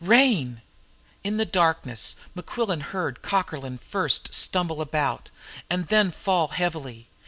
"Rain!" In the darkness, Mequillen heard Cockerlyne first stumble about, and then fall heavily.